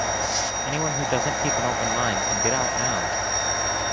Anyone who doesn't keep an open mind can get out now!